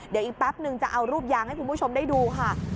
เดี๋ยวอีกแป๊บนึงจะเอารูปยางให้คุณผู้ชมได้ดูค่ะ